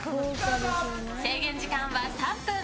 制限時間は３分。